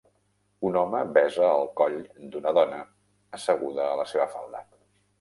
Un home besa el coll d'una dona asseguda a la seva falda.